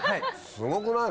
すごくない？